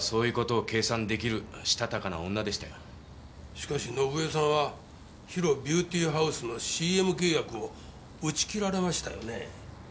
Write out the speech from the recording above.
しかし伸枝さんはＨＩＲＯビューティーハウスのＣＭ契約を打ち切られましたよね。